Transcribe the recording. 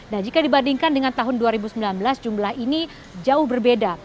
nah jika dibandingkan dengan tahun dua ribu sembilan belas jumlah ini jauh berbeda